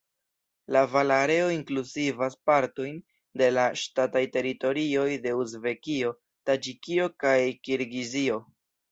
La vala areo inkluzivas partojn de la ŝtataj teritorioj de Uzbekio, Taĝikio kaj Kirgizio.